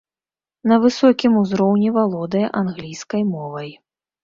На высокім узроўні валодае англійскай мовай.